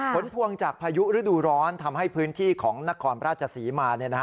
ผลพวงจากพายุฤดูร้อนทำให้พื้นที่ของนครราชศรีมา